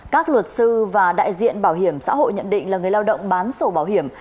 các luật sư và đại diện bảo hiểm xã hội nhận định là người lao động bán sổ bảo hiểm